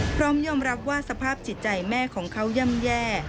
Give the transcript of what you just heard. พร้อมยอมรับว่าสภาพจิตใจแม่ของเขาย่ำแย่